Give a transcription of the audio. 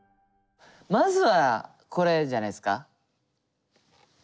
まずはこれじゃないっすか。